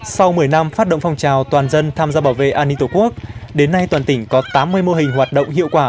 sau một mươi năm phát động phong trào toàn dân tham gia bảo vệ an ninh tổ quốc đến nay toàn tỉnh có tám mươi mô hình hoạt động hiệu quả